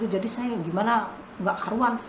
jadi saya gimana nggak haruan